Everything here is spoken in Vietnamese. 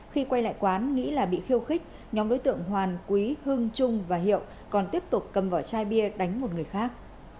khi quay lại quán nghĩ là bị khiêu khích nhóm đối tượng hoàn quý hưng trung và hiệu còn tiếp tục cầm vỏ chai bia đánh một người khác